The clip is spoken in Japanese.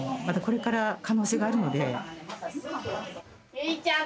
ゆいちゃん